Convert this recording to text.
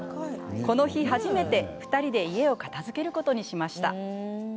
この日、初めて２人で家を片づけることにしました。